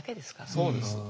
そうです。